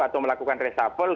atau melakukan resapel